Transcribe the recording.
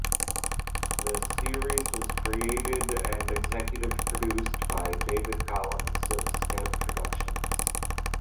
The series was created and executive produced by David Collins of Scout Productions.